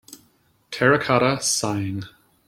Terracotta Sighing.